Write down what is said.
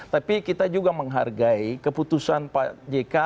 tapi kita juga menghargai keputusan pak jk